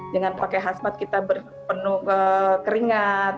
dengan pakai khas mat kita keringat